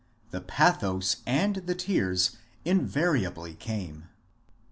The pathos and the tears invariably came.